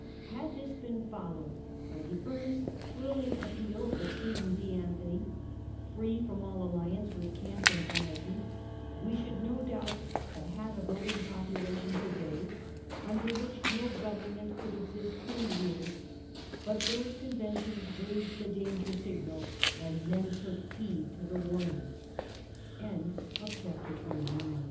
Had this been followed by the earnest, thrilling appeals of Susan B. Anthony, free from all alliance with cant and vanity, we should no doubt have had a voting population to day, under which no government could exist ten years; but those conventions raised the danger signal, a